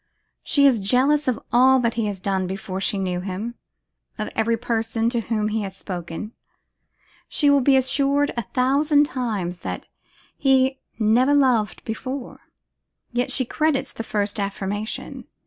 She is jealous of all that he has done before she knew him; of every person to whom he has spoken. She will be assured a thousand times that he never loved before, yet she credits the first affirmation.